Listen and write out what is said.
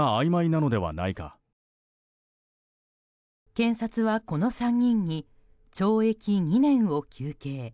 検察は、この３人に懲役２年を求刑。